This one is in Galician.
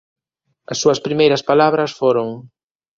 As súas primeiras palabras foron: